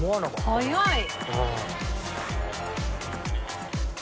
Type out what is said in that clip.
早い。